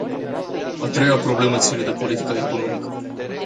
A treia problemă ține de politica economică.